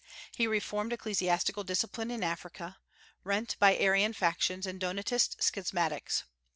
He reformed ecclesiastical discipline in Africa, rent by Arian factions and Donatist schismatics.